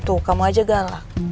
tuh kamu aja galak